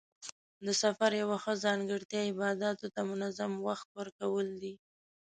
د سفر یوه ښه ځانګړتیا عباداتو ته منظم وخت ورکول دي.